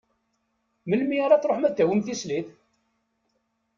Melmi ara truḥem ad d-tawim tislit?